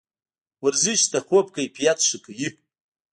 ورزش د خوب کیفیت ښه کوي.